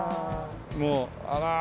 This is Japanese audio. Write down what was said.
もうあら。